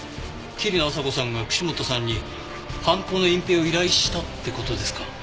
桐野朝子さんが串本さんに犯行の隠蔽を依頼したって事ですか？